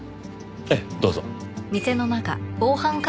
ええどうぞ。